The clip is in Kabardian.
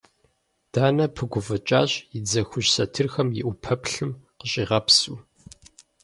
Данэ пыгуфӏыкӏащ, и дзэ хужь сэтырхэр и ӏупэплъым къыщӏигъэпсыу.